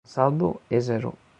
El saldo és zero.